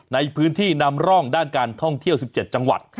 ในพื้นที่นำร่องด้านการท่องเที่ยว๑๗จังหวัด